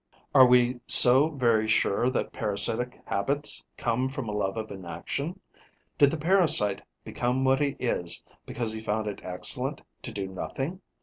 Are we so very sure that parasitic habits come from a love of inaction? Did the parasite become what he is because he found it excellent to do nothing?